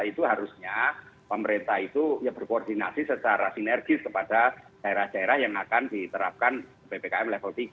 itu harusnya pemerintah itu ya berkoordinasi secara sinergis kepada daerah daerah yang akan diterapkan ppkm level tiga